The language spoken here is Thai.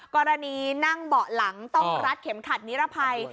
กรณีนั่งเบาะหลังต้องรัดเข็มขัดนิรภัย